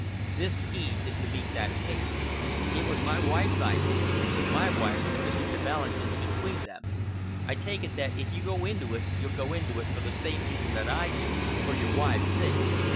This scheme is to meet that case. It's my wife's idea my wife's and Mr. de Valentin's between them. I take it that if you go into it you'll go into it for the same reason that I do for your wives' sakes.